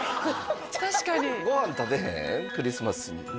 確かに「ご飯食べへん？クリスマスに」